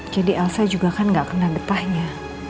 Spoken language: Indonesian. jadi elsa juga kan gak kena getahnya